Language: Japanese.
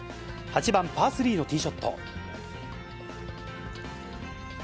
８番パー３のティーショット。